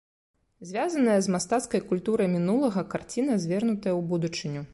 Звязаная з мастацкай культурай мінулага, карціна звернутая ў будучыню.